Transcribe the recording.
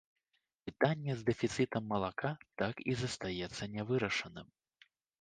Пытанне з дэфіцытам малака так і застаецца нявырашаным.